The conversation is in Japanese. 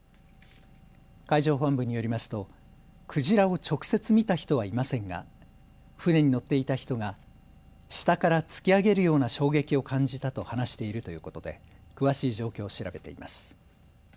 海上保安部によりますとクジラを直接見た人はいませんが船に乗っていた人が下から突き上げるような衝撃を感じたと話しているということで詳しい状況を調べています。